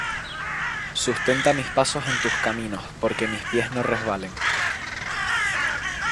Sustenta mis pasos en tus caminos, Porque mis pies no resbalen.